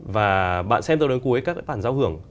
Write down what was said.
và bạn xem tới cuối các bản giao hưởng